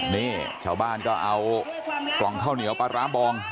นี่ชาวบ้านก็เอากล่องข้าวเหนียวปลาร้าบอง